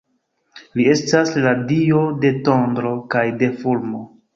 Li estas la dio de tondro kaj de fulmo.